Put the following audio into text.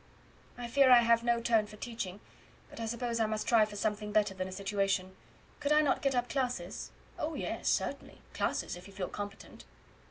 "I fear I have no turn for teaching, but I suppose I must try for something better than a situation. Could I not get up classes?" "Oh! yes, certainly classes if you feel competent."